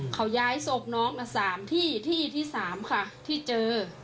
เขาย้ายศพน้องมาสามที่ที่ที่สามค่ะที่เจอ